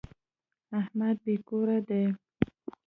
احمد بې کوره دی.